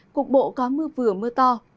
cục bộ có mưa vừa mưa to